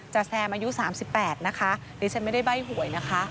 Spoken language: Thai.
แซมอายุ๓๘นะคะดิฉันไม่ได้ใบ้หวยนะคะ